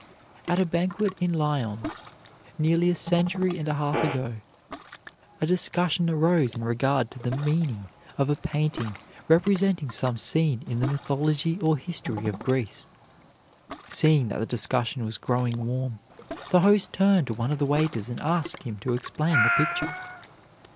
At a banquet in Lyons, nearly a century and a half ago, a discussion arose in regard to the meaning of a painting representing some scene in the mythology or history of Greece. Seeing that the discussion was growing warm, the host turned to one of the waiters and asked him to explain the picture.